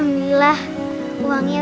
jangan paksain diri kamu